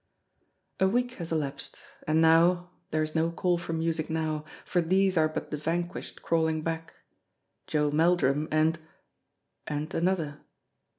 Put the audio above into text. A week has elapsed, and now there is no call for music now, for these are but the vanquished crawling back, Joe Meldrum and and another.